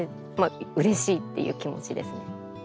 うれしいっていう気持ちですね。